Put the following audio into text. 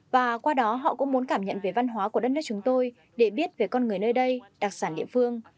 và qua đó họ cũng muốn cảm nhận về văn hóa của đất nước chúng tôi để biết về con người nơi đây đặc sản địa phương